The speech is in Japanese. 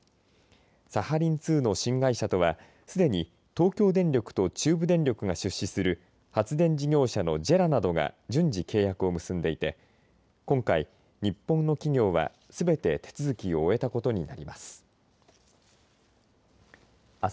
サハリン２の新会社とはすでに東京電力と中部電力が出資する発電事業者のＪＥＲＡなどが順次契約を結んでいて今回、日本の企業はすべて手続きを終えたことになります。